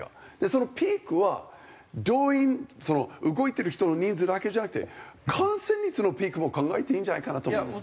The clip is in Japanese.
そのピークは動員動いてる人の人数だけじゃなくて感染率のピークも考えていいんじゃないかなと思うんです。